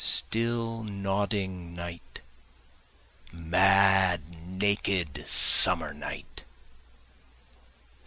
Still nodding night mad naked summer night.